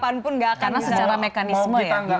karena secara mekanisme ya